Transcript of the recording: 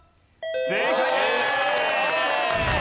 正解です！